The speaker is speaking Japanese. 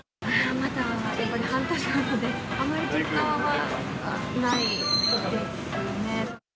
まだやっぱり半年なので、あまり実感はないですね。